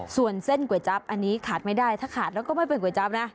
ส่วนเส้นก๋วยจั๊บอันนี้ขาดไม่ได้ถ้าขาดแล้วก็ไม่เป็นก๋วยจั๊บนะ